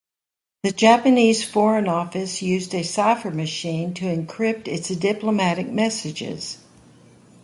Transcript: The Japanese Foreign Office used a cipher machine to encrypt its diplomatic messages.